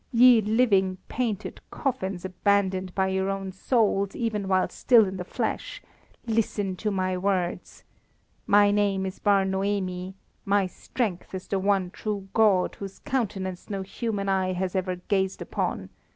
Ye living, painted coffins abandoned by your own souls even while still in the flesh, listen to my words! My name is Bar Noemi. My strength is the one true God, whose countenance no human eye has ever gazed upon.